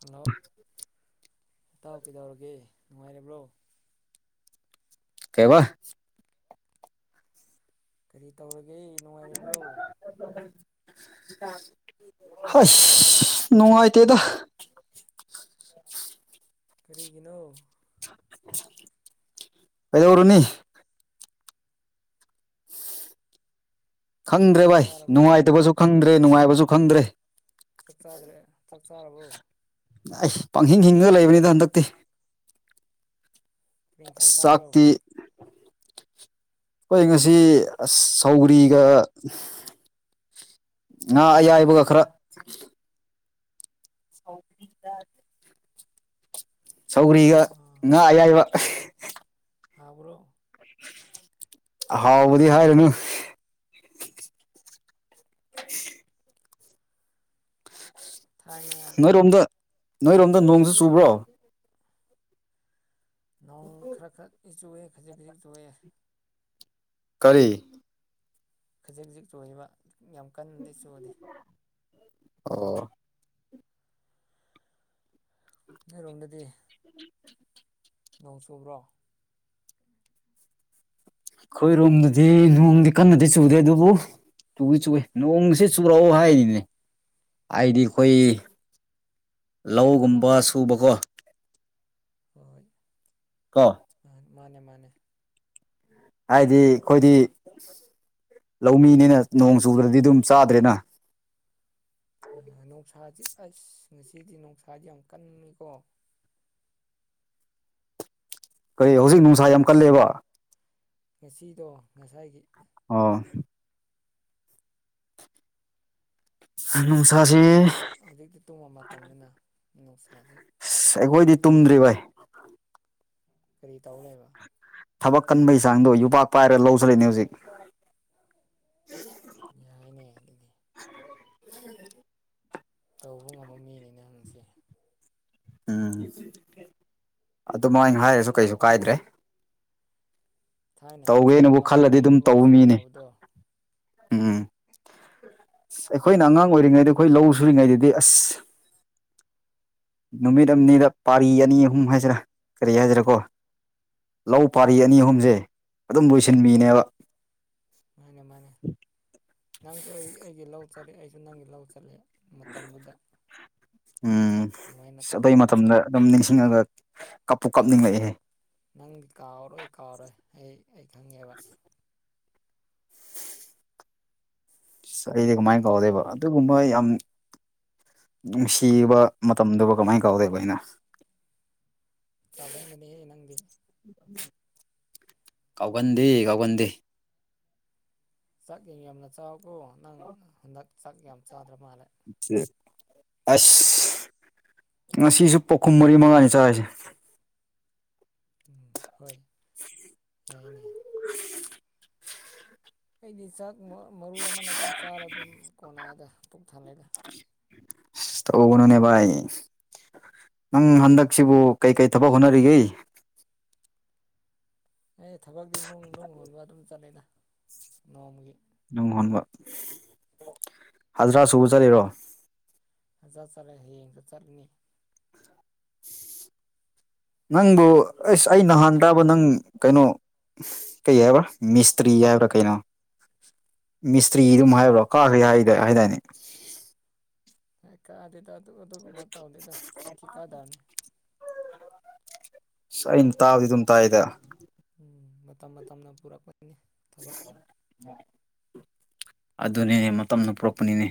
Hello ꯏꯇꯥꯎ ꯀꯩꯗꯧꯔꯒꯦ ꯅꯨꯡꯉꯥꯏꯔꯤꯕ꯭ꯔꯣ ꯀꯩꯕ ꯀꯔꯤ ꯇꯧꯔꯒꯦ ꯅꯨꯡꯉꯥꯏꯔꯤꯕ꯭ꯔꯣ ꯍꯁ ꯅꯨꯡꯉꯥꯏꯇꯦꯗ ꯀꯔꯤꯒꯤꯅꯣ ꯀꯩꯗꯧꯔꯨꯅꯤ ꯈꯪꯗ꯭ꯔꯦ ꯆꯥꯛ ꯚꯥꯏ ꯆꯥꯔꯕꯣ ꯅꯨꯡꯉꯥꯏꯇꯕꯁꯨ ꯆꯥꯛ ꯈꯪꯗ꯭ꯔꯦ ꯅꯨꯡꯉꯥꯏꯕꯁꯨ ꯈꯪꯗ꯭ꯔꯦ ꯆꯥꯛ ꯆꯥꯗ꯭ꯔꯦ ꯆꯥꯛ ꯆꯥꯔꯕꯣ ꯑꯩꯁ ꯄꯪꯍꯤꯡ ꯍꯤꯡꯉꯒ ꯂꯩꯕꯅꯤꯗ ꯍꯟꯗꯛꯇꯤ ꯀꯔꯤ ꯑꯁ ꯏꯟꯁꯥꯡ ꯆꯥꯕ꯭ꯔꯣ ꯆꯥꯛꯇꯤ ꯑꯩꯈꯣꯏ ꯉꯁꯤ ꯑꯁ ꯁꯧꯒ꯭ꯔꯤꯒ ꯉꯥ ꯑꯌꯥꯏꯕꯒ ꯈꯔ ꯁꯧꯒ꯭ꯔꯤ [unintelligible] ꯁꯧꯒ꯭ꯔꯤꯒ ꯑꯥ ꯉꯥ ꯑꯌꯥꯏꯕ ꯍꯥꯎꯕ꯭ꯔꯣ ꯍꯥꯎꯕꯗꯤ ꯍꯥꯏꯔꯨꯅꯨ [unintelligible] ꯊꯥꯏꯅ ꯅꯣꯏꯔꯣꯝꯗ ꯅꯣꯏꯔꯣꯝꯗ ꯅꯣꯡꯖꯨ ꯆꯨꯕ꯭ꯔꯣ ꯅꯣꯡ ꯈꯔ ꯈꯔ [unintelligible] ꯆꯨꯑꯦ ꯈꯖꯤꯛ ꯈꯖꯤꯛ ꯆꯨꯑꯦ ꯀꯔꯤ ꯈꯖꯤꯛ ꯈꯖꯤꯛ ꯆꯨꯏꯕ ꯌꯥꯝ ꯀꯟꯅꯗꯤ ꯆꯨꯗꯦ ꯑꯣ ꯅꯣꯏꯔꯣꯝꯗꯗꯤ [inaudible] ꯅꯣꯡ ꯆꯨꯕ꯭ꯔꯣ ꯑꯩꯈꯣꯏꯔꯣꯝꯗꯗꯤ ꯅꯣꯡꯗꯤ ꯀꯟꯅꯗꯤ ꯆꯨꯗꯦ ꯑꯗꯨꯕꯨ ꯆꯨꯏ ꯆꯨꯏ ꯅꯣꯡꯁꯤ ꯆꯨꯔꯛꯑꯣ ꯍꯥꯏꯔꯤꯅꯤ ꯍꯥꯏꯗꯤ ꯑꯩꯈꯣꯏ ꯂꯧꯒꯨꯝꯕ ꯁꯨꯕꯀꯣ ꯍꯣꯏ ꯀꯣ ꯎꯝ ꯃꯥꯅꯦ ꯃꯥꯅꯦ ꯍꯥꯏꯗꯤ ꯑꯈꯣꯏꯗꯤ ꯂꯧꯃꯤꯅꯤꯅ ꯅꯣꯡ ꯆꯨꯕꯗꯗꯤ ꯑꯗꯨꯝ ꯆꯥꯗ꯭ꯔꯦꯅ꯫ ꯅꯨꯡꯁꯥꯥꯁꯤ ꯑꯁ ꯉꯁꯤꯗꯤ ꯅꯨꯡꯁꯥꯗꯤ ꯌꯥꯝ ꯀꯟꯅꯤꯀꯣ꯫ ꯀꯔꯤ ꯍꯧꯖꯤꯛ ꯅꯨꯡꯁꯥ ꯌꯥꯝ ꯀꯜꯂꯦꯕ꯫ ꯉꯁꯤꯗꯣ ꯉꯁꯥꯏꯒꯤ ꯑꯣ ꯍꯧꯖꯤꯛꯇꯤ ꯅꯨꯡꯁꯥꯁꯤ ꯇꯨꯝ ꯍꯧꯖꯤꯛꯇꯤ ꯇꯨꯝꯕ ꯃꯇꯝꯅꯤꯅ ꯅꯨꯡꯁꯥꯁꯤ ꯑꯁ ꯑꯩꯈꯣꯏꯗꯤ ꯇꯨꯝꯗ꯭ꯔꯤ ꯚꯥꯏ ꯀꯔꯤ ꯇꯧ ꯂꯩꯕ꯫ ꯊꯕꯛ ꯀꯟꯕꯒꯤ ꯆꯥꯡꯗꯣ ꯌꯨꯄꯥꯛ ꯄꯥꯏꯔꯒ ꯂꯧ ꯆꯠꯂꯤꯅꯦ ꯍꯧꯖꯤꯛ꯫ ꯌꯥꯏꯅꯦ ꯑꯗꯨꯗꯤ ꯇꯧꯕ ꯉꯝꯕ ꯃꯤꯅꯤꯅꯦ ꯅꯪꯁꯦ꯫ ꯎꯝ ꯑꯗꯨꯃꯥꯏꯅ ꯍꯥꯏꯔꯁꯨ ꯀꯩꯁꯨ ꯀꯥꯏꯗ꯭ꯔꯦ꯫ ꯊꯥꯏꯅ ꯏꯕꯥꯅꯤ ꯇꯧꯒꯦꯅꯕꯨ ꯂꯧ ꯈꯜꯂꯗꯤ ꯂꯧ ꯑꯗꯨꯝ ꯂꯧ ꯇꯧꯕ ꯃꯤꯅꯦ꯫ ꯁꯨꯃꯤꯟꯅꯕꯗꯣ ꯎꯝ ꯑꯈꯣꯏꯅ ꯑꯉꯥꯡ ꯑꯣꯏꯔꯤꯉꯩꯗ ꯑꯈꯣꯏ ꯂꯧ ꯁꯨꯔꯤꯉꯩꯗꯗꯤ ꯑꯁ ꯅꯨꯃꯤꯠ ꯑꯅꯤꯔꯛ ꯄꯥꯂꯤ ꯑꯅꯤ ꯑꯍꯨꯝ ꯍꯥꯏꯁꯤꯔꯥ ꯀꯔꯤ ꯍꯥꯏꯁꯤꯔꯥꯀꯣ꯫ ꯂꯧ ꯄꯥꯔꯤ ꯑꯅꯤ ꯑꯍꯨꯝꯁꯦ ꯑꯗꯨꯝ ꯂꯣꯏꯁꯤꯟꯕꯤꯅꯦꯕ꯫ ꯃꯥꯅꯦ ꯃꯥꯅꯦ ꯅꯪꯁꯨ ꯑꯩ ꯑꯩꯒꯤ ꯂꯧ ꯆꯠꯂꯦ ꯑꯩꯁꯨ ꯅꯪꯒꯤ ꯂꯧ ꯆꯠꯂꯦ꯫ ꯃꯇꯝꯗꯨꯗ ꯎꯝ ꯑꯗꯨꯃꯥꯏꯅ ꯑꯁ ꯑꯗꯨꯏ ꯇꯧꯔꯛꯄꯅꯤ꯫ ꯃꯇꯝꯗ ꯑꯗꯨꯝ ꯅꯤꯡꯁꯤꯡꯉꯒ ꯀꯞꯄꯨ ꯀꯞꯅꯤꯡꯂꯛꯑꯦꯍꯦ꯫ ꯅꯪꯗꯤ ꯀꯥꯎꯔꯣꯏ ꯀꯥꯎꯔꯣꯏ ꯑꯩ ꯑꯩ ꯈꯪꯉꯦꯕ꯫ ꯑꯩꯗꯤ ꯀꯃꯥꯏꯅ ꯀꯥꯎꯗꯣꯏꯕ ꯑꯗꯨꯒꯨꯝꯕ ꯌꯥꯝ ꯅꯨꯡꯁꯤꯕ ꯃꯇꯝꯗꯨꯕꯨ ꯀꯃꯥꯏꯅ ꯀꯥꯎꯗꯣꯏꯕ ꯑꯩꯅ꯫ ꯀꯥꯎꯒꯟꯕꯅꯦꯍꯦ ꯅꯪꯗꯤ꯫ ꯀꯥꯎꯒꯟꯗꯦ ꯀꯥꯎꯒꯟꯗꯦ꯫ ꯆꯥꯛ ꯌꯥꯝ ꯌꯥꯝꯅ ꯆꯥꯎꯀꯣ ꯅꯪ ꯍꯟꯗꯛ ꯆꯥꯛ ꯌꯥꯝ ꯆꯥꯗ꯭ꯔꯥ ꯃꯥꯜꯂꯦ꯫ ꯑꯁ ꯉꯁꯤꯁꯨ ꯄꯣꯈꯝ ꯃꯔꯤ ꯃꯉꯥꯅꯤ ꯆꯥꯔꯤꯁꯦ꯫ ꯎꯝ ꯍꯣꯏ ꯌꯥꯏꯅꯦ꯫ [unintelligible] ꯑꯩꯗꯤ ꯆꯥꯛ ꯃꯔꯨ ꯑꯃꯅ ꯑꯗꯨꯝ ꯆꯥꯔ ꯑꯗꯨꯝ ꯀꯣꯟꯅꯩꯗ ꯄꯨꯛ ꯊꯜꯂꯦꯗ꯫ ꯑꯁ ꯇꯧꯒꯅꯨꯅꯦ ꯚꯥꯏ ꯅꯪ ꯍꯟꯗꯛꯁꯤꯕꯨ ꯀꯩ ꯀꯩ ꯊꯕꯛ ꯍꯣꯠꯅꯔꯤꯒꯦ꯫ ꯑꯩ ꯊꯕꯛꯇꯤ ꯅꯨꯡ ꯅꯨꯡ ꯍꯨꯣꯟꯕ ꯑꯗꯨꯝ ꯆꯠꯂꯦꯗ ꯅꯣꯡꯃꯒꯤ꯫ ꯅꯨꯡ ꯍꯣꯟꯕ ꯍꯖꯤꯔꯥ ꯁꯨꯕ ꯆꯠꯂꯤꯔꯣ꯫ ꯍꯖꯤꯔꯥ ꯆꯠꯂꯦ ꯍꯌꯦꯡꯁꯨ ꯆꯠꯂꯅꯤ꯫ ꯅꯪꯕꯨ ꯑꯁ ꯑꯩ ꯅꯍꯥꯟ ꯇꯥꯕ ꯅꯪ ꯀꯩꯅꯣ ꯀꯩ ꯍꯥꯏꯕ꯭ꯔꯥ ꯃꯤꯁꯇ꯭ꯔꯤ ꯍꯥꯏꯕ꯭ꯔꯥ ꯀꯩꯅꯣ ꯃꯤꯁꯇ꯭ꯔꯤ ꯑꯗꯨꯝ ꯍꯥꯏꯕ꯭ꯔꯣ ꯀꯥꯔꯦ ꯍꯥꯏ ꯍꯥꯏꯗꯥꯏꯅꯦ꯫ ꯍꯩ ꯀꯥꯗꯦꯗ ꯑꯗꯨ ꯑꯗꯨꯒꯨꯝꯕ ꯇꯧꯗꯦꯗ ꯊꯤꯀꯥꯗꯔꯥꯅꯤ꯫ ꯑꯁ ꯑꯩꯅ ꯇꯥꯕꯗꯤ ꯑꯗꯨꯝ ꯇꯥꯏꯗ꯫ ꯎꯝ ꯃꯇꯝ ꯃꯇꯝꯅ ꯄꯨꯔꯛꯄꯒꯤꯅꯤ ꯊꯕꯛꯁꯦ꯫ ꯑꯗꯨꯅꯤꯅꯦ ꯃꯇꯝꯅ ꯄꯨꯔꯛꯄꯅꯤꯅꯦ꯫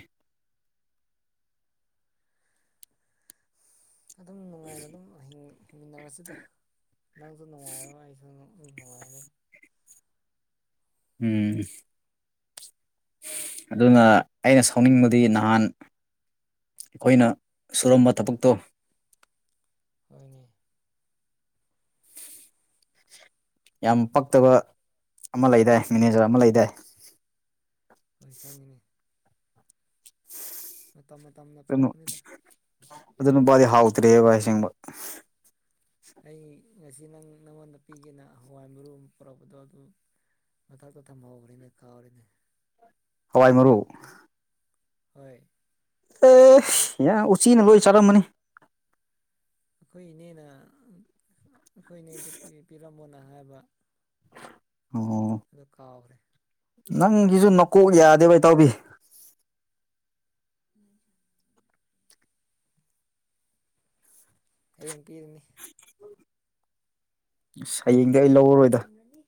ꯑꯗꯨꯝ ꯅꯨꯡꯉꯥꯏꯅ ꯑꯗꯨꯝ ꯍꯤꯡꯃꯤꯟꯅꯔꯁꯤꯗ ꯅꯪꯁꯨ ꯅꯨꯡꯉꯥꯏꯔꯣ ꯑꯩꯁꯨ ꯅꯨꯡꯉꯥꯏꯔꯦ ꯎꯝ ꯑꯗꯨꯅ ꯑꯩꯅ ꯁꯥꯎꯅꯤꯡꯕꯗꯤ ꯅꯍꯥꯟ ꯑꯈꯣꯏꯅ ꯁꯨꯔꯝꯕ ꯊꯕꯛꯇꯣ ꯍꯣꯏꯅꯦ ꯌꯥꯝ ꯄꯛꯇꯕ ꯑꯃ ꯂꯩꯗꯥꯏ ꯃꯦꯅꯦꯖꯔ ꯑꯃ ꯂꯩꯗꯥꯏ ꯍꯣꯏ ꯈꯪꯉꯤꯅꯦ [unintelligible] ꯃꯇꯝ ꯃꯇꯝꯅ ꯀꯅꯣ ꯄꯨꯔꯛꯄꯅꯤꯗ ꯑꯗꯨ ꯅꯨꯄꯥꯗꯤ ꯍꯥꯎꯇ꯭ꯔꯦꯕ ꯑꯁꯦꯡꯕ ꯑꯩ ꯉꯁꯤ ꯅꯪ ꯅꯪꯉꯣꯟꯗ ꯄꯤꯒꯦꯅ ꯍꯋꯥꯏ ꯃꯔꯨ ꯑꯃ ꯄꯨꯔꯛꯄꯗꯣ ꯑꯗꯨ ꯃꯊꯥꯛꯇ ꯊꯝꯍꯧꯈ꯭ꯔꯦꯅꯦ ꯀꯥꯎꯔꯦꯅꯦ ꯍꯋꯥꯏ ꯃꯔꯨ [unintelligible] ꯍꯣꯏ [unintelligible] ꯎꯆꯤꯅ ꯂꯣꯏ ꯆꯥꯔꯝꯃꯅꯤ ꯑꯈꯣꯏ ꯏꯅꯦꯅ ꯑꯈꯣꯏ ꯏꯅꯦꯗ ꯄꯤꯔꯝꯃꯣꯅ ꯄꯤꯔꯝꯃꯣꯅ ꯍꯥꯏꯕ ꯑꯣ ꯑꯗꯨ ꯀꯥꯎꯒ꯭ꯔꯦ ꯅꯪꯒꯤꯖꯨ ꯅꯀꯣꯛ ꯌꯥꯗꯦꯕ ꯏꯇꯥꯎꯕꯤ [unintelligible] ꯍꯌꯦꯡ ꯄꯤꯒꯅꯤ ꯑꯁ ꯍꯌꯦꯡꯗꯤ ꯑꯩ ꯂꯧꯔꯔꯣꯏꯗ ꯃꯅꯤ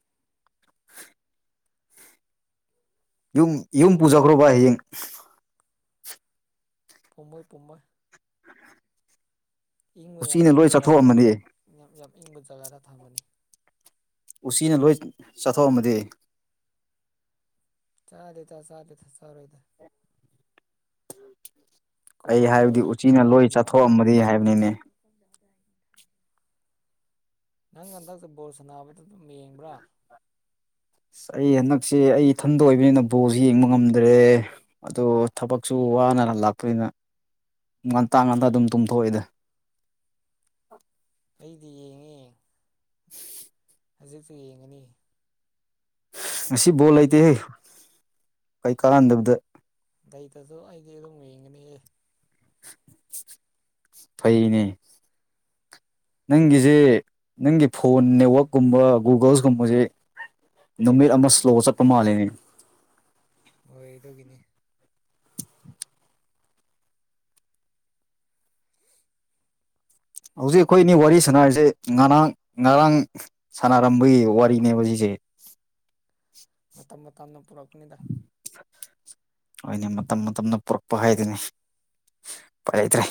ꯌꯨꯝ ꯌꯨꯝ ꯄꯨꯖꯒ꯭ꯔꯣ ꯕꯥꯢ ꯍꯌꯦꯡ ꯄꯨꯝꯃꯣꯏ ꯄꯨꯝꯃꯣꯏ ꯏꯪꯕ ꯌꯥꯝ ꯎꯆꯤꯅ ꯂꯣꯏ ꯏꯪꯕ ꯖꯒꯥꯗ ꯊꯝ ꯆꯥꯊꯣꯛꯑꯝꯃꯗꯤ ꯌꯥꯝ ꯥꯝ ꯏꯪꯕ ꯖꯒꯥꯗ ꯊꯝꯕꯅꯤ ꯎꯆꯤꯅ ꯂꯣꯏ ꯆꯥꯊꯣꯛꯑꯝꯃꯗꯤ ꯆꯥꯗꯦꯗ ꯆꯥꯗꯦꯗ ꯆꯥꯔꯣꯏꯗ ꯑꯩ ꯀꯨꯕꯔ ꯍꯥꯏꯕꯗꯤ ꯇꯧꯔꯒ ꯎꯆꯤꯅ ꯂꯣꯏ ꯊꯝ ꯌꯥꯝ ꯆꯥꯊꯣꯛꯑꯝꯃꯗꯤ ꯎꯝ ꯍꯥꯏꯕꯅꯤꯅꯦ ꯅꯪ ꯍꯟꯗꯛꯇ ꯕꯣꯜ ꯁꯥꯟꯅꯕꯗ ꯑꯗꯨꯝ ꯌꯦꯡꯕ꯭ꯔꯥ ꯑꯁ ꯑꯩ ꯍꯟꯗꯛꯁꯦ ꯑꯩ ꯏꯊꯟꯗ ꯑꯣꯏꯕꯅꯤꯅ ꯕꯣꯜ ꯌꯦꯡꯕ ꯉꯝ ꯗꯨ꯭ꯔꯦ ꯑꯗꯨ ꯊꯕꯛꯁꯨ ꯋꯥꯅ ꯍꯜꯂꯥꯛꯄꯅꯤꯅ ꯉꯟꯇꯥ ꯉꯟꯇꯥ ꯗꯨꯝ ꯇꯨꯝꯊꯣꯛꯑꯦꯗ ꯑꯩꯗꯤ ꯌꯦꯡꯉꯦ [inaudible] ꯍꯧꯖꯤꯛꯁꯨ ꯌꯦꯡꯉꯅꯤ ꯉꯁꯤ ꯕꯣꯜ ꯂꯩꯇꯦꯍꯦ ꯀꯩ ꯀꯥꯥꯟꯗꯕꯗ ꯂꯩꯇꯖꯨ ꯑꯩꯗꯤ ꯑꯗꯨꯝ ꯌꯦꯡꯒꯅꯤꯌꯦ ꯐꯩꯅꯦ ꯅꯪꯒꯤꯖꯤ ꯅꯪꯒꯤ ꯐꯣꯟ ꯅꯦꯋꯥꯛꯀꯨꯝꯕ ꯒꯨꯒꯜꯁꯀꯨꯝꯕꯁꯦ ꯅꯨꯃꯤꯠ ꯑꯃ ꯁ꯭ꯂꯣ ꯆꯠꯄ ꯃꯥꯜꯂꯦꯅꯦ ꯍꯣꯏ ꯑꯗꯨꯒꯤꯅꯤ [inaudible] ꯍꯧꯖꯤꯛ ꯑꯈꯣꯏ ꯑꯅꯤ ꯋꯥꯔꯤ ꯁꯥꯟꯅꯔꯤꯖꯦ ꯉꯔꯥꯡ ꯉꯔꯥꯡ ꯁꯥꯟꯅꯔꯝꯕꯒꯤ ꯋꯥꯔꯤꯅꯦꯕ ꯁꯤꯖꯦ ꯃꯇꯝ ꯃꯇꯝꯅ ꯄꯨꯔꯛꯄꯅꯤꯗ ꯍꯣꯏꯅꯦ ꯃꯇꯝ ꯃꯇꯝꯅ ꯄꯨꯔꯛꯄ ꯍꯥꯏꯗꯨꯅꯤ ꯎꯄꯥꯏ ꯂꯩꯇ꯭ꯔꯦ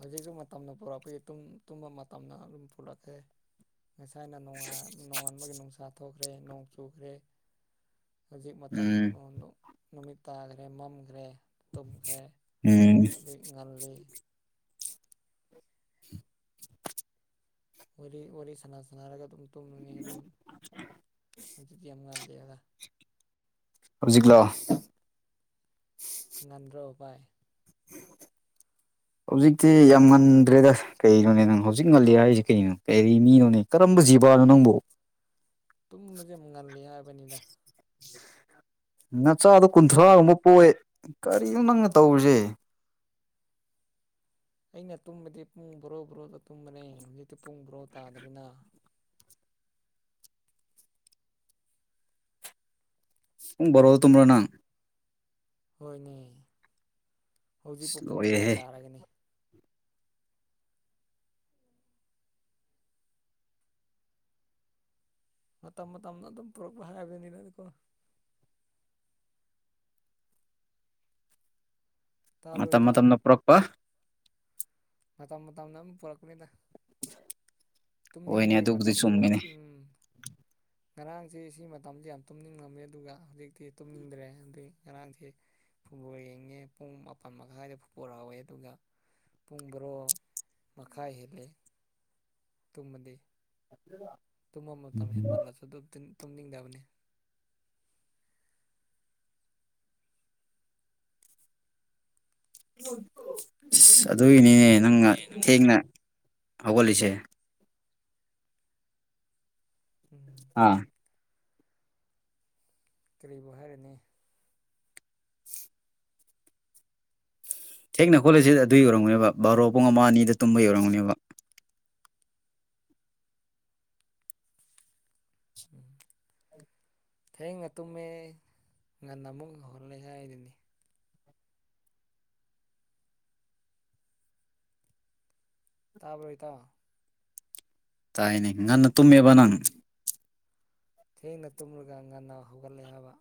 ꯍꯧꯖꯤꯛꯖꯨ ꯃꯇꯝꯅ ꯄꯨꯔꯛꯄꯒꯤ ꯇꯨꯝ ꯇꯨꯝꯕ ꯃꯇꯝꯅ ꯑꯗꯨꯝ ꯄꯨꯔꯛꯑꯦ ꯉꯁꯥꯏꯅ ꯅꯣꯡꯉꯥꯟ ꯅꯣꯉꯥꯟꯕꯒꯤ ꯅꯨꯡꯁꯥ ꯊꯣꯛꯈ꯭ꯔꯦ ꯅꯣꯡ ꯆꯨꯈ꯭ꯔꯦ ꯍꯧꯖꯤꯛ ꯃꯇꯝ ꯎꯝ ꯅꯨ ꯅꯨꯃꯤꯠ ꯇꯥꯈ꯭ꯔꯦ ꯃꯝꯈ꯭ꯔꯦ ꯇꯨꯝꯈ꯭ꯔꯦ ꯎꯝ ꯉꯜꯂꯤ ꯃꯣꯏꯗꯤ ꯋꯥꯔꯤ ꯋꯥꯔꯤ ꯁꯅꯥ ꯁꯅꯥꯔꯒ ꯑꯗꯨꯝ ꯇꯨꯝꯅꯤ ꯑꯗꯨꯝ ꯍꯧꯖꯤꯛꯗꯤ ꯌꯥꯝ ꯉꯥꯂꯤ ꯑꯒ ꯍꯧꯖꯤꯛꯂꯣ ꯉꯟꯗ꯭ꯔꯣ ꯕꯥꯏ [inaudible] ꯍꯧꯖꯤꯛꯇꯤ ꯌꯥꯝ ꯉꯟꯗ꯭ꯔꯦꯗ꯫ ꯀꯩꯅꯣꯅꯦ ꯅꯪ ꯍꯧꯖꯤꯛ ꯉꯜꯂꯤ ꯍꯥꯏꯔꯤꯁꯤ ꯀꯩꯅꯣ ꯀꯩꯔꯤ ꯃꯤꯅꯣꯅꯦ ꯀꯔꯝꯕ ꯖꯤꯕꯥꯅꯣ ꯅꯪꯕꯨ ꯇꯨꯝꯕꯁꯦ ꯉꯜꯂꯤ ꯍꯥꯏꯕꯅꯤꯗ꯫ ꯅꯆꯥꯗꯣ ꯀꯨꯟꯊ꯭ꯔꯥꯒꯨꯝꯕ ꯄꯣꯑꯦ ꯀꯔꯤꯅꯣ ꯅꯪꯅ ꯇꯧꯔꯤꯁꯦ꯫ ꯑꯩꯅ ꯇꯨꯝꯕꯗꯤ ꯄꯨꯡ ꯕꯣꯔꯣ ꯕꯣꯔꯣꯗ ꯇꯨꯝꯕꯅꯦ ꯍꯧꯖꯤꯛꯇꯤ ꯄꯨꯡ ꯕꯣꯔꯣ ꯇꯥꯗ꯭ꯔꯤꯅ꯫ ꯄꯨꯡ ꯕꯥꯔꯣꯗ ꯇꯨꯝꯕꯔꯣ ꯅꯪ꯫ ꯍꯣꯏꯅꯦ ꯍꯧꯖꯤꯛ ꯄꯨ ꯑꯁ ꯄꯨꯡ ꯀꯌꯥ ꯂꯣꯏꯔꯦꯍꯦ ꯇꯥꯔꯒꯅꯦ꯫ ꯃꯇꯝ ꯃꯇꯝꯅ ꯑꯗꯨꯝ ꯄꯨꯔꯛꯄ ꯍꯥꯏꯔꯕꯅꯤꯅꯀꯣ꯫ ꯇꯥꯕ꯭ꯔꯣ ꯃꯇꯝ ꯏꯇꯥꯎ ꯃꯇꯝꯅ ꯄꯨꯔꯛꯄ ꯃꯇꯝ ꯃꯇꯝꯝꯅ ꯑꯝ ꯄꯨꯔꯛꯄꯅꯤꯗ꯫ ꯍꯣꯏꯅꯦ ꯇꯨꯝꯅꯤꯡꯕꯒꯤ ꯑꯗꯨꯕꯨꯗꯤ ꯃꯇꯝꯁꯨ ꯆꯨꯝꯃꯤꯅꯦ ꯎꯝ ꯉꯔꯥꯡꯁꯤ ꯁꯤ ꯃꯇꯝꯁꯤ ꯌꯥꯝ ꯇꯨꯝꯅꯤꯡꯉꯝꯃꯤ ꯑꯗꯨꯒ ꯍꯧꯖꯤꯛꯇꯤ ꯇꯨꯝꯅꯤꯡꯗ꯭ꯔꯦ ꯑꯗꯩ ꯉꯔꯥꯡꯗꯤ ꯐꯨꯠꯕꯣꯜ ꯌꯦꯡꯉꯦ ꯄꯨꯡ ꯃꯥꯄꯜ ꯃꯈꯥꯏꯗ ꯐꯨꯠꯕꯣꯜ ꯍꯥꯎꯋꯦ ꯑꯗꯨꯒ ꯄꯨꯡ ꯕꯥꯔꯣ ꯃꯈꯥꯏ ꯍꯦꯜꯂꯦ ꯇꯨꯝꯃꯗꯤ ꯑꯗꯨꯒ ꯇꯨꯝꯃ ꯃꯇꯝ ꯍꯦꯟꯃꯜꯂꯁꯨ ꯑꯗꯨ ꯇꯨꯝꯅꯤꯡꯗꯕꯅꯦ꯫ ꯑꯁ ꯑꯗꯨꯒꯤꯅꯤꯅꯦ ꯅꯪꯅ ꯊꯦꯡꯅ ꯍꯧꯒꯠꯂꯤꯁꯦ꯫ ꯎꯝ ꯑꯥ ꯀꯔꯤꯕꯨ ꯍꯥꯏꯔꯨꯅꯤ꯫ ꯊꯦꯡꯅ ꯍꯧꯒꯠꯂꯤꯁꯦ ꯑꯗꯨꯢ ꯑꯣꯢꯔꯝꯒꯅꯦꯕ ꯕꯥꯔꯣ ꯄꯨꯡ ꯑꯃ ꯑꯅꯤꯗ ꯇꯨꯝꯕꯩ ꯑꯣꯢꯔꯝꯒꯅꯦꯕ꯫ ꯎꯝ [inaudible] ꯊꯦꯡꯅ ꯇꯨꯝꯃꯦ ꯉꯟꯅ ꯑꯃꯨꯛ ꯍꯧꯒꯠꯂꯦ ꯍꯥꯏꯗꯨꯅꯤ꯫ ꯇꯥꯕ꯭ꯔꯣ ꯏꯇꯥꯎ ꯇꯥꯏꯅꯦ ꯉꯟꯅ ꯇꯨꯝꯃꯦꯕ ꯅꯪ ꯊꯦꯡꯅ ꯇꯨꯝꯂꯒ ꯉꯟꯅ ꯍꯧꯒꯠꯂꯦ ꯍꯥꯏꯕ꯫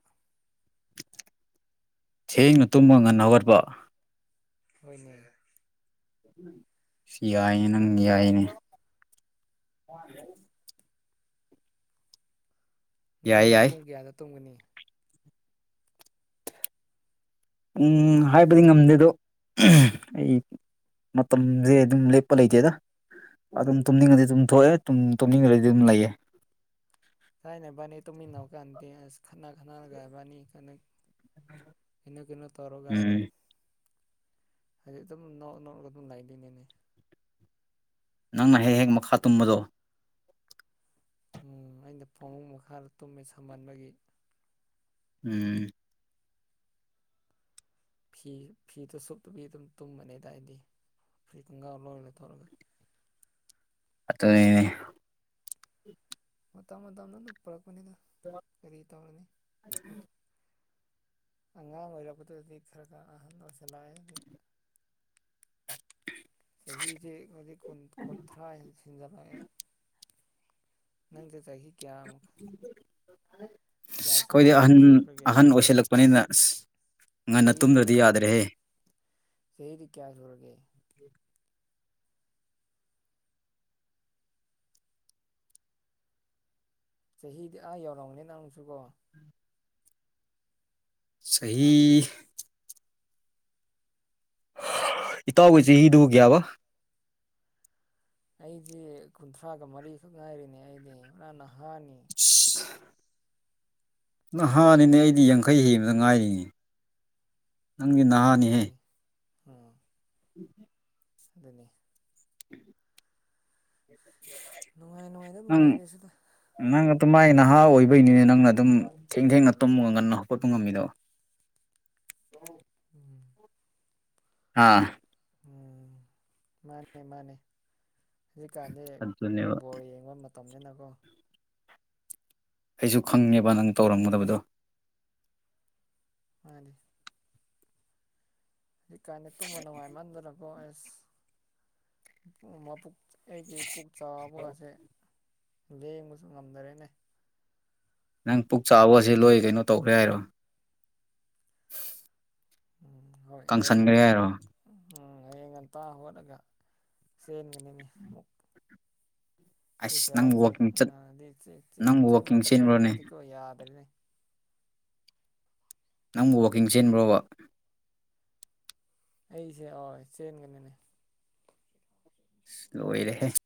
ꯊꯦꯡꯅ ꯇꯨꯝꯃ ꯉꯟꯅ ꯍꯧꯒꯠꯄ꯫ ꯍꯣꯏꯅꯦ ꯁꯤ ꯌꯥꯏꯅꯦ ꯅꯪ ꯌꯥꯏꯅꯦ꯫ [inaudible] ꯌꯥꯏ ꯅꯪꯗꯤ ꯌꯥꯏ ꯄꯨꯡ ꯀꯌꯥꯗ ꯇꯣꯡꯒꯅꯤ ꯄꯨꯡ ꯍꯥꯏꯕꯗꯤ ꯉꯝꯗꯦ ꯑꯗꯣ ꯑꯩ ꯃꯇꯝꯖꯦ ꯑꯗꯨꯝ ꯂꯦꯞꯄ ꯂꯩꯇꯦꯗ꯫ ꯑꯗꯨꯝ ꯇꯨꯝꯅꯤꯡꯉꯗꯤ ꯑꯗꯨꯝ ꯊꯣꯛꯑꯦ ꯇꯨꯝꯅꯤꯡꯉ꯭ꯔꯗꯤ ꯑꯗꯨꯝ ꯂꯩꯌꯦ꯫ ꯊꯥꯏꯅ ꯑꯕꯥꯅꯤ ꯇꯨꯃꯤꯟꯅ ꯀꯥꯟꯗꯦ ꯑꯁ ꯈꯠꯅꯥ ꯈꯅꯥꯒꯕ ꯏꯕꯥꯟꯅꯤ ꯀꯩꯅꯣ ꯀꯩꯅꯣ ꯇꯧꯔꯒ ꯎꯝ ꯍꯧꯖꯤꯛ ꯑꯗꯨꯝ ꯅꯣꯛ ꯅꯧꯔꯒ ꯑꯗꯨꯝ ꯂꯩꯗꯨꯏꯅꯤꯅꯦ꯫ ꯅꯪꯅ ꯍꯦꯛ ꯍꯦꯛ ꯃꯈꯥ ꯇꯨꯝꯕꯗꯣ꯫ ꯎꯝ ꯑꯩꯅ ꯐꯥꯃꯨꯡ ꯃꯈꯥꯗ ꯇꯨꯝꯃꯦ ꯁꯥꯃꯟꯕꯒꯤ꯫ ꯎꯝ ꯐꯤ ꯐꯤꯗꯣ ꯁꯨꯞꯇꯕꯤ ꯑꯗꯨꯝ ꯇꯨꯝꯕꯅꯤꯗ ꯑꯩꯗꯤ ꯐꯨꯔꯤꯠ ꯈꯣꯡꯒꯥꯎ ꯂꯣꯏ ꯂꯧꯊꯣꯛꯔꯒ ꯑꯠꯇꯨꯏꯅꯦ ꯃꯇꯝ ꯃꯇꯝꯅ ꯑꯗꯨꯝ ꯄꯨꯔꯛꯄꯅꯤꯗ [inaudible] ꯀꯔꯤ ꯇꯧꯔꯅꯤ [unintelligible] ꯑꯉꯥꯡ ꯑꯣꯏꯔꯛꯄꯗꯥꯗꯤ ꯈꯔ ꯈꯔ ꯑꯍꯟ ꯑꯣꯏꯁꯤꯜꯂꯥꯛꯑꯦ ꯍꯨꯖꯤꯛ ꯆꯍꯤꯖꯦ ꯍꯧꯖꯥꯛ ꯀꯨꯟ ꯀꯟꯊ꯭ꯔꯥ ꯍꯦꯟ ꯁꯤꯟꯖꯤꯜꯂꯛꯑꯦ ꯅꯪꯖꯦ ꯆꯍꯤ ꯀꯌꯥꯃꯨꯛ ꯀꯌꯥ ꯑꯁ ꯁꯨ ꯑꯩꯈꯣꯏꯗꯤ ꯑꯍꯟ ꯁꯨꯈ꯭ꯔꯥꯒꯦ ꯑꯍꯟ ꯑꯣ ꯑꯣꯏꯁꯜꯂꯛꯄꯅꯤꯅ ꯑꯁ ꯉꯟꯅ ꯆꯍꯤꯗꯤ ꯇꯨꯝꯗ꯭ꯔꯗꯤ ꯀꯃꯥꯏꯠ ꯌꯥꯗ꯭ꯔꯦꯍꯦ ꯆꯍꯤꯗꯤ ꯀꯌꯥꯁꯨꯨꯔꯒꯦ ꯆꯍꯤꯗꯤ ꯑꯥ ꯌꯧꯔꯝꯒꯅꯦ ꯅꯪꯁꯨꯀꯣ ꯆꯍꯤ ꯏꯇꯥꯎꯒꯤ ꯆꯍꯤꯗꯨ ꯒꯌꯥꯕ ꯑꯩꯗꯤ ꯀꯨꯟꯊ꯭ꯔꯥꯒ ꯃꯔꯤꯈꯛ ꯉꯥꯏꯔꯤꯅꯦ ꯑꯩꯗꯤ ꯄꯨꯔꯥ ꯅꯍꯥꯅꯤ [inaudible] ꯅꯍꯥꯅꯤꯅꯦ ꯑꯩꯗꯤ ꯌꯥꯡꯈꯩ ꯍꯦꯟꯗ ꯉꯥꯏꯔꯤꯌꯦ ꯎꯝ ꯑꯗꯨꯅꯤ ꯑꯥ [inaudible] ꯑꯗꯨꯅꯤ ꯅꯨꯡꯉꯥꯏ ꯅꯨꯡꯉꯥꯏꯅ ꯑꯗꯨꯝ ꯅꯪ ꯂꯩꯔꯁꯤꯗ ꯅꯪ ꯑꯗꯨꯃꯥꯏ ꯅꯍꯥ ꯑꯣꯏꯕꯩꯅꯤꯅꯦ ꯅꯪꯅ ꯑꯗꯨꯝ ꯊꯦꯡ ꯊꯦꯡꯅ ꯇꯨꯝꯃꯒ ꯉꯟꯅ ꯍꯧꯒꯠꯄ ꯉꯝꯃꯤꯗꯣ ꯎꯝ ꯑꯥ ꯎꯝ ꯃꯥꯅꯦ ꯃꯥꯅꯦ ꯍꯨꯖꯤꯛꯀꯥꯟꯗꯤ ꯑꯗꯨꯅꯦꯕ ꯕꯣꯜ ꯌꯦꯡꯕ ꯃꯇꯝꯅꯤꯅꯀꯣ ꯑꯩꯁꯨ ꯈꯪꯉꯦꯕ ꯅꯪ ꯇꯧꯔꯝꯒꯗꯕꯗꯣ ꯃꯥꯅꯤ ꯍꯤꯛꯀꯥꯟꯗꯤ ꯇꯨꯝꯕ ꯅꯨꯡꯉꯥꯏꯃꯟꯗꯅꯀꯣ ꯑꯦꯁ ꯃꯕꯨꯛ ꯑꯩꯒꯤ ꯄꯨꯛ ꯆꯥꯕ ꯒꯥꯁꯦ ꯂꯦꯡꯕꯁꯨ ꯉꯝꯗꯦꯔꯦꯅꯦ ꯅꯪ ꯄꯨꯛ ꯆꯥꯎꯕꯒꯁꯦ ꯂꯣꯏ ꯀꯩꯅꯣ ꯇꯧꯈ꯭ꯔꯦ ꯍꯥꯏꯔꯣ ꯎꯝ ꯍꯣꯏ ꯂꯩ ꯀꯪꯁꯟꯈ꯭ꯔꯦ ꯍꯥꯏꯔꯣ [unintelligible] ꯎꯝ ꯍꯌꯦꯡ ꯉꯟꯇꯥ ꯍꯧꯒꯠꯂꯒ ꯆꯦꯟꯒꯅꯤꯅꯦ ꯑꯃꯨꯛ ꯁꯤ ꯑꯁ ꯆꯦꯔꯥꯎ ꯅꯪꯕꯨ ꯆꯤꯡ ꯋꯥꯛꯀꯤꯡ ꯆꯠ ꯑꯥꯗꯤ ꯆꯦꯟ ꯆꯦꯟ ꯅꯪꯕꯨ ꯋꯥꯛꯀꯤꯡ ꯆꯦꯟꯕꯇꯥ ꯆꯦꯟꯕ꯭ꯔꯣꯅꯦ ꯀꯟꯗ꯭ꯔꯥꯗꯤꯀꯣ ꯌꯗꯥꯔꯦꯅꯦ ꯅꯪꯕꯨ ꯋꯥꯛꯀꯤꯡ ꯆꯦꯟꯕ꯭ꯔꯣꯕ ꯑꯩꯁꯦ ꯍꯣꯏ ꯆꯦꯟꯒꯅꯦꯅꯦ ꯂꯣꯏꯔꯦꯍꯦ